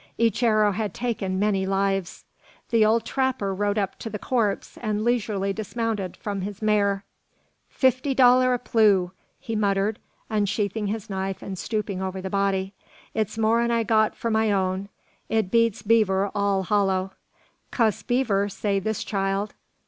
Each arrow had taken many lives! The old trapper rode up to the corpse, and leisurely dismounted from his mare. "Fifty dollar a plew!" he muttered, unsheathing his knife and stooping over the body. "It's more'n I got for my own. It beats beaver all hollow. Cuss beaver, say this child.